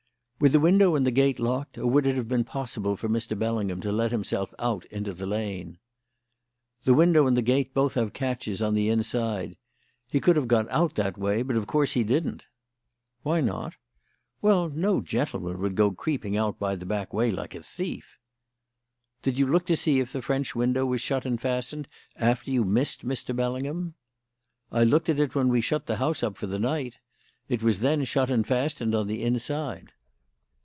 "Were the window and the gate locked, or would it have been possible for Mr. Bellingham to let himself out into the lane?" "The window and the gate both have catches on the inside. He could have got out that way, but, of course, he didn't." "Why not?" "Well, no gentleman would go creeping out by the back way like a thief." "Did you look to see if the French window was shut and fastened after you missed Mr. Bellingham?" "I looked at it when we shut the house up for the night. It was then shut and fastened on the inside."